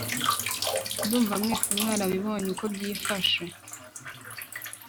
Ndumva mwese mwarabibonye uko byifashe